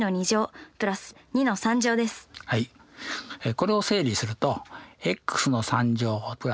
これを整理すると＋